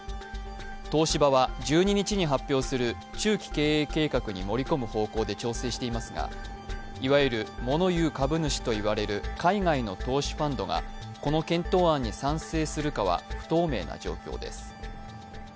東芝は１２日に発表する中期経営計画に盛り込む方向で調整していますがいわゆる物言う株主といわれる海外の投資ファンドがこの検討案に賛成するかは不透明な状況です。